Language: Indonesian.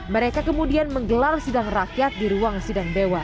mereka kemudian menggelar sidang rakyat di ruang sidang dewan